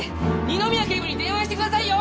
二宮警部に電話してくださいよ！